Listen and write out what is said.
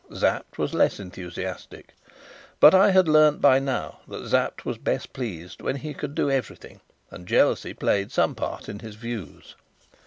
Sapt was less enthusiastic, but I had learnt by now that Sapt was best pleased when he could do everything, and jealousy played some part in his views.